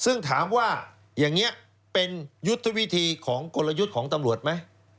ซึ่งถามว่าอย่างนี้เป็นยุทธวิธีของกลยุทธ์ของตำรวจไหม